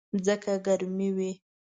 ځکه ګرمي وي.